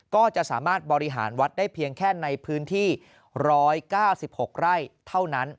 ก็จะสามารถบริหารวัดได้เพียงแค่ในพื้นที่๑๙๖ไร่เท่านั้น